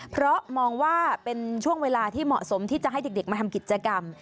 เพราะมองว่าเป็นช่วงเวลาที่เหมาะสมที่จะให้เด็กมาทำกิจกรรม